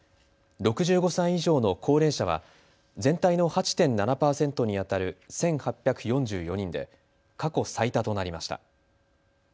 ６５歳以上の高齢者は全体の８．７％に当たる、１８４４人で過去最多となりました。